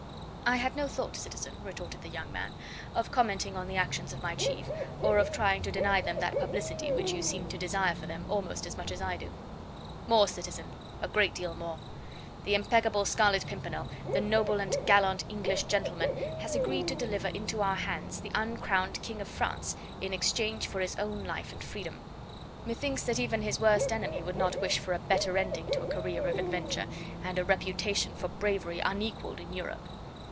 "I had no thought, citizen," retorted the young man, "of commenting on the actions of my chief, or of trying to deny them that publicity which you seem to desire for them almost as much as I do." "More, citizen, a great deal more! The impeccable Scarlet Pimpernel, the noble and gallant English gentleman, has agreed to deliver into our hands the uncrowned King of France in exchange for his own life and freedom. Methinks that even his worst enemy would not wish for a better ending to a career of adventure, and a reputation for bravery unequalled in Europe.